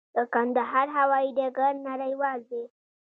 د کندهار هوايي ډګر نړیوال دی؟